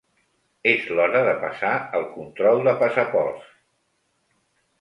És l'hora de passar el control de passaports.